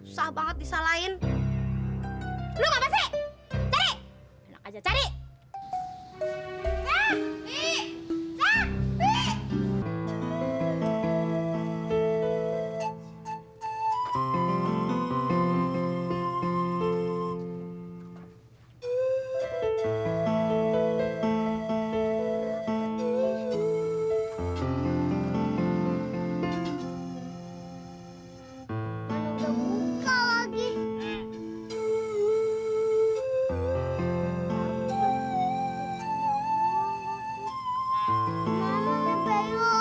sampai jumpa di video selanjutnya